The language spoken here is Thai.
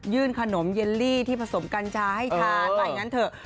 ยื่นขนมเยลลี่ที่ผสมกัญญาให้ทานไปอย่างนั้นเถอะ